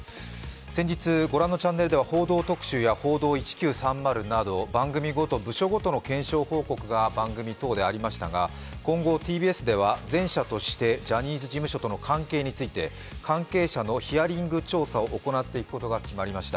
先日、ご覧のチャンネルでは「報道特集」や「報道１９３０」など番組ごと、部署ごとの検証報告が番組等でありましたが、今後ＴＢＳでは全社としてジャニーズ事務所との関係について、関係者のヒアリング調査を行っていくことが決まりました。